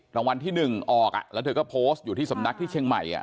รางวัลที่๑ออกแล้วเธอก็โพสต์อยู่ที่สำนักที่เชียงใหม่